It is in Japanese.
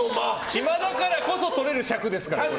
暇だからこそ取れる尺ですから。